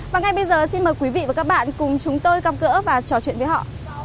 và ngay bây giờ xin mời quý vị và các bạn cùng chúng tôi gặp gỡ và trò chuyện với họ